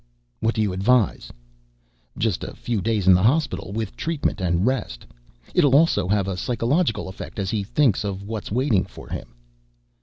What do you advise?" "Just a few days in the hospital, with treatment and rest. It'll also have a psychological effect as he thinks of what's waiting for him."